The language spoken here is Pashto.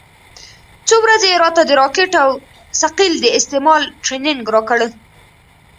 څو ورځې يې راته د راکټ او ثقيل د استعمال ټرېننگ راکړ.